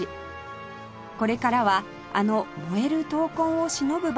これからはあの燃える闘魂をしのぶ場にもなりそうです